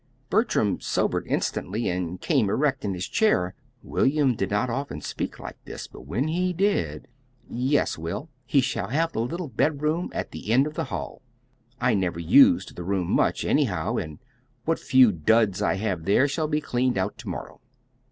Bertram sobered instantly, and came erect in his chair. William did not often speak like this; but when he did "Yes, Will. He shall have the little bedroom at the end of the hall. I never used the room much, anyhow, and what few duds I have there shall be cleared out to morrow."